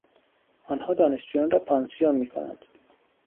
آنها دانشجویان را پانسیون میکنند.